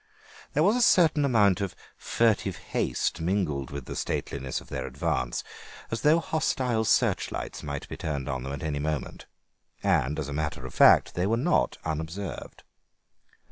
There was a certain amount of furtive haste mingled with the stateliness of their advance, as though hostile search lights might be turned on them at any moment; and, as a matter of fact, they were not unobserved.